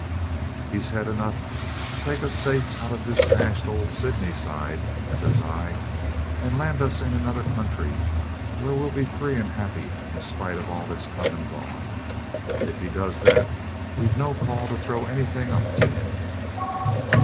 'He's head enough to take us safe out of this dashed old Sydney side,' says I, 'and land us in another country, where we'll be free and happy in spite of all that's come and gone. If he does that, we've no call to throw anything up to him.'